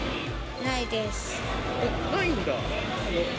ないんだ？